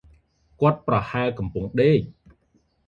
គាត់ ប្រហែលកំពុងដេក ។